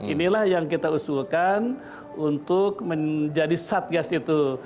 inilah yang kita usulkan untuk menjadi satgas itu